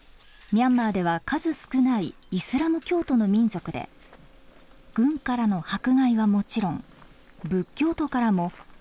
ミャンマーでは数少ないイスラム教徒の民族で軍からの迫害はもちろん仏教徒からも激しい差別を受けてきました。